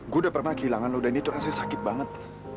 gue udah pernah kehilangan lo dan itu rasanya sakit banget